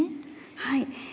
はい。